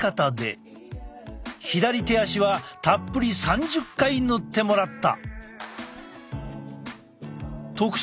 左手足はたっぷり３０回塗ってもらった。